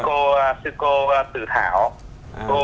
sư cô sử thảo